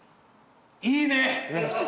いいね。